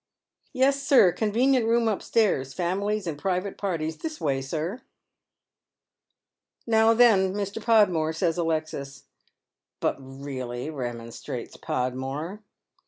" Yes, sir, convenient room upstairs, families and private parties. This way, sir." " Now then, Mr. Podmore," says Alexis. " But really I " remonstrates Podmore.